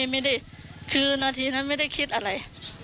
ไม่ได้คือนาทีนั้นไม่ได้คิดอะไร